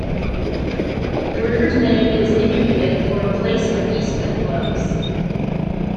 The river's name is Inupiat for place where the east wind blows.